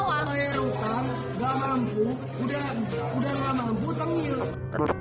saya rutan gak mampu udah gak mampu tenggelam